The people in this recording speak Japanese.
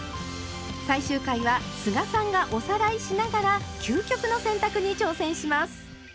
最終回は須賀さんがおさらいしながら「究極の洗濯」に挑戦します！